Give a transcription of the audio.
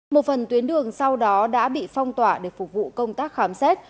một phần tuyến đường sau đó đã bị phong tỏa để phục vụ công tác khám xét